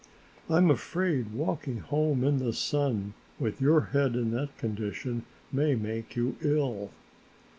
"I am afraid walking home in the sun with your head in that condition may make you ill."